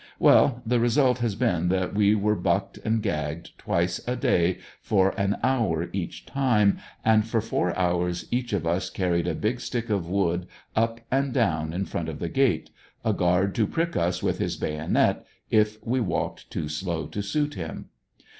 Well, the result has been that we were bucked and gagged twice a day for an hour each time, and for four hours each of us carried a big stick of wood up and down in front of the gate, a guard to prick us with his bayonet tf we walked too slow to suit him.